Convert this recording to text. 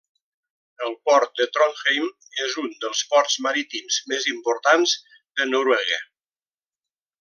El port de Trondheim és un dels ports marítims més importants de Noruega.